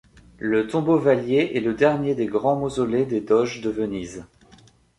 Le Tombeau-Valier est le dernier des grands mausolées des doges de Venise.